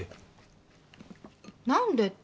何で？